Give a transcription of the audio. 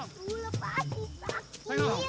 tuh lepasi lepasi